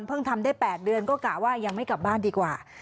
ทำได้๘เดือนก็กะว่ายังไม่กลับบ้านดีกว่า